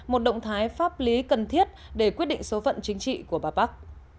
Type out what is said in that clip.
một động thái pháp lý cần thiết để quyết định số phận chính trị của bà bắc